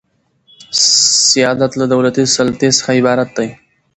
سیادت له دولتي سلطې څخه عبارت دئ.